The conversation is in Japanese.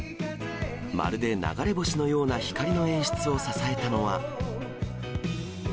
まるで流れ星のような光の演出を支えたのは。